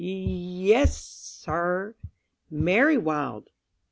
"Y y yes, s sir." "Mary Wild."...